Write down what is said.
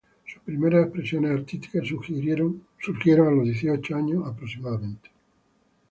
Sus primeras expresiones artísticas surgieron a los dieciocho años aproximadamente.